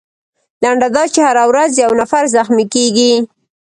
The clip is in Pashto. لنډه دا چې هره ورځ یو نفر زخمي کیږي.